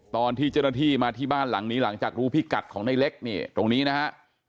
ตอนที่เจ้าหน้าที่มาที่บ้านหลังนี้หลังจากรู้พิกัดของในเล็กนี่ตรงนี้นะฮะ